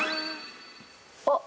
あっ。